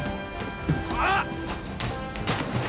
あっ！